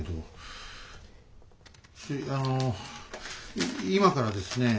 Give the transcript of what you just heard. い今からですね